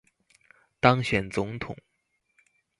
當選總統